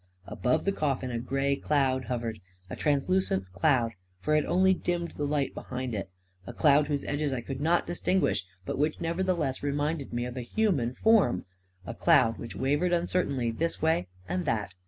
. Above the coffin a gray cloud hovered — a trans lucent cloud, for it only dimmed the light behind it; a cloud whose edges I could not distinguish, but which nevertheless reminded me of a human form; A KING IN BABYLON 309 a cloud which wavered uncertainly this way and that